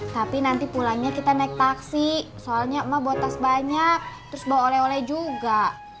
tapi nanti pulangnya kita naik taksi soalnya emak buat tas banyak terus bawa oleh oleh juga